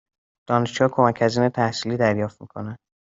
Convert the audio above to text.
دانشجوها کمک هزینه تحصیلی دریافت می کنند؟